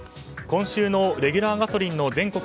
今週のレギュラーガソリンの全国